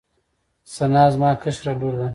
ثنا زما کشره لور ده